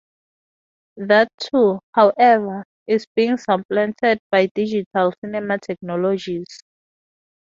That too, however, is being supplanted by digital cinema technologies.